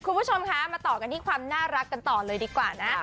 คุณผู้ชมคะมาต่อกันที่ความน่ารักกันต่อเลยดีกว่านะ